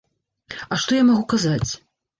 А што я магу казаць?